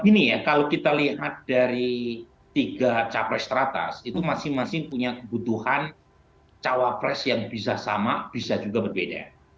gini ya kalau kita lihat dari tiga capres teratas itu masing masing punya kebutuhan cawapres yang bisa sama bisa juga berbeda